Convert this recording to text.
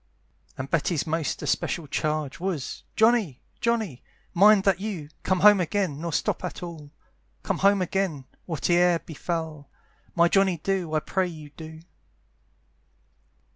And Betty's most especial charge, Was, "Johnny! Johnny! mind that you "Come home again, nor stop at all, "Come home again, whate'er befal, "My Johnny do, I pray you do."